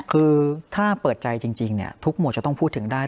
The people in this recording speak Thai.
คือถ้าเปิดใจจริงทุกหมวดจะต้องพูดถึงได้